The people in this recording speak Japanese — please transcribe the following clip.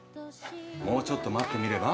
もうちょっと待ってみれば？